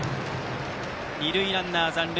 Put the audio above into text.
二塁ランナー、残塁。